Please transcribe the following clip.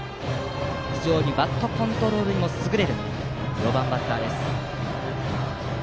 非常にバットコントロールにも優れる４番バッターです。